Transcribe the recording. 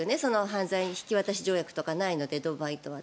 犯罪人引渡し条約とかないのでドバイとは。